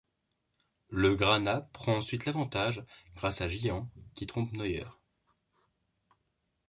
Le Ghana prend ensuite l'avantage grâce à Gyan qui trompe Neuer.